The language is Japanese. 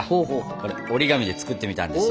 これ折り紙で作ってみたんですよ。